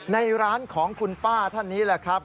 ในร้านของคุณป้าท่านนี้แหละครับ